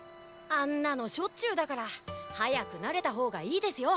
あんなのしょっちゅうだから早く慣れた方がいいですよ。